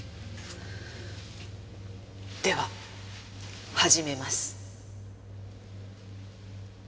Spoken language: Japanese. では始めます。